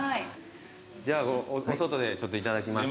じゃあこのお外でちょっといただきます。